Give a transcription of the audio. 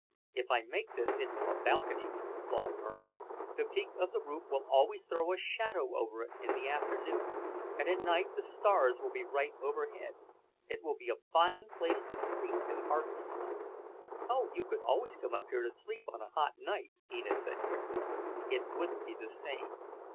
"If I make this into a balcony," Claude murmured, "the peak of the roof will always throw a shadow over it in the afternoon, and at night the stars will be right overhead. It will be a fine place to sleep in harvest time." "Oh, you could always come up here to sleep on a hot night," Enid said quickly. "It wouldn't be the same."